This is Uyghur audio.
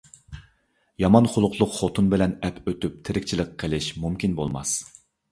يامان خۇلقلۇق خوتۇن بىلەن ئەپ ئۆتۈپ تىرىكچىلىك قىلىش مۇمكىن بولماس!